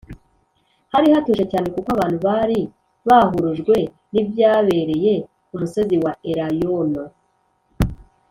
hari hatuje cyane, kuko abantu bari bahurujwe n’ibyabereye ku musozi wa elayono